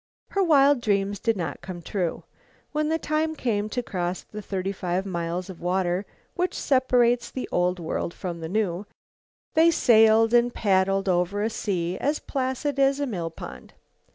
Her wild dreams did not come true. When the time came to cross the thirty five miles of water which separates the Old World from the New, they sailed and paddled over a sea as placid as a mill pond.